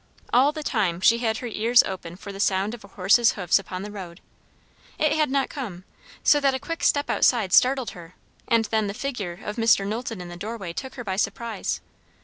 All the time she had her ears open for the sound of a horse's hoofs upon the road; it had not come, so that a quick step outside startled her, and then the figure of Mr. Knowlton in the doorway took her by surprise.